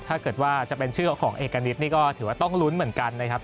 ถ้าเกิดว่าจะเป็นชื่อของเอกณิตนี่ก็ถือว่าต้องลุ้นเหมือนกันนะครับ